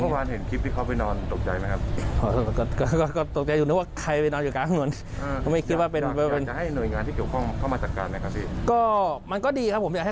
เมื่อวานเห็นคลิปที่เขาไปนอนตกใจไหมครับ